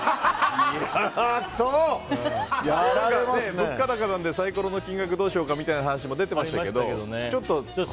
物価高なのでサイコロの金額どうしようかなんて話も出てましたが。